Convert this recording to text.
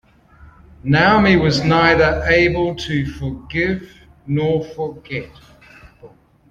Naomi was neither able to forgive nor forget.